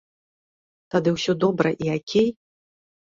Тады ўсё добра і акей?